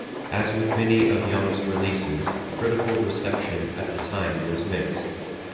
As with many of Young's releases, critical reaction at the time was mixed.